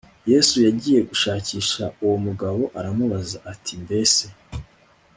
yesu yagiye gushakisha uwo mugabo aramubaza ati mbese